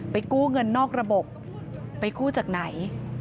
กู้เงินนอกระบบไปกู้จากไหน